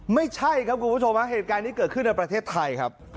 ไม่ใช่ครับคุณผู้ชมฮะเหตุการณ์นี้เกิดขึ้นในประเทศไทยครับ